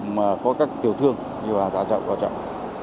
mà có các tiểu thương như là giá trọng giá trọng